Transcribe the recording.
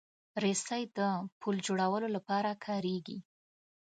رسۍ د پُل جوړولو لپاره کارېږي.